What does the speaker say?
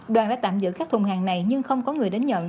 đoàn đã tạm giữ các thùng hàng này nhưng không có người đến nhận